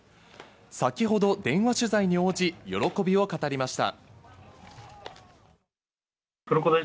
先程、電話取材に応じ、喜びを語りました。